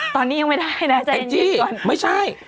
ตอนนี้ยังไม่ได้นะแองจี้ไม่ใช่